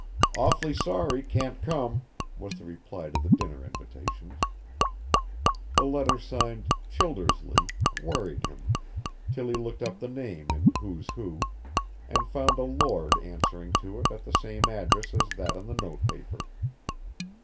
"Awfully sorry can't come," was the reply to the dinner invitations. The letter signed "Childersley" worried him, till he looked up the name in "Who's Who" and found a Lord answering to it at the same address as that on the note paper.